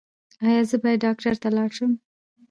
ایا زه باید ډاکټر ته لاړ شم؟